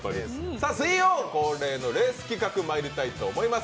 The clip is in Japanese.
水曜恒例のレース企画にまいりたいと思います。